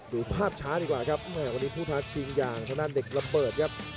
ดูภาพช้าดีกว่าครับแม่วันนี้ผู้ท้าชิงอย่างทางด้านเด็กระเบิดครับ